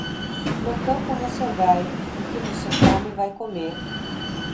No campo você vai, o que você come vai comer.